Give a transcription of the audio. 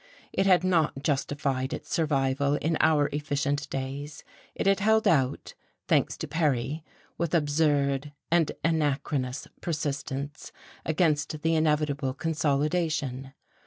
It had not justified its survival in our efficient days, it had held out thanks to Perry with absurd and anachronous persistence against the inevitable consolidation.